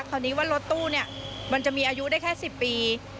คราวนี้ว่ารถตู้เนี่ยมันจะมีอายุได้แค่๑๐ปี